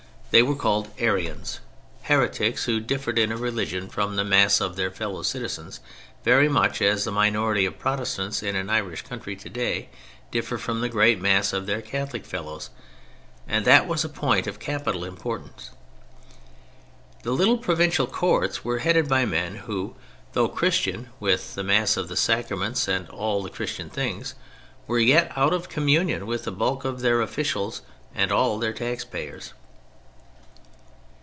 They were called Arians; heretics who differed in religion from the mass of their fellow citizens very much as the minority of Protestants in an Irish county today differ from the great mass of their Catholic fellows; and that was a point of capital importance. The little provincial courts were headed by men who, though Christian (with the Mass, the Sacraments and all Christian things), were yet out of communion with the bulk of their officials, and all their taxpayers.